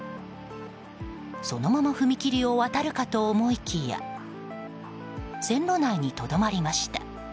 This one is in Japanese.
そのまま踏切を渡るかと思いきや線路内にとどまりました。